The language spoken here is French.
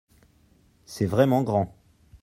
C’est vraiment grand.